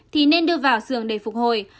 thì nên đưa vào xường để phục hồi